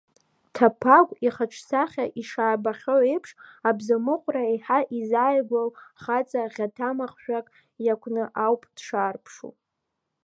Ҭапагә ихаҿсахьа, ишаабахьоу еиԥш, абзамыҟәра еиҳа иззааигәоу хаҵа ӷьатамахжәак иакәны ауп дшаарԥшу.